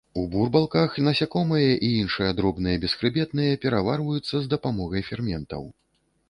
У бурбалках насякомыя і іншыя дробныя бесхрыбетныя пераварваюцца з дапамогай ферментаў.